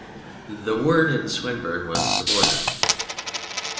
The word in Swinburne was subordinate.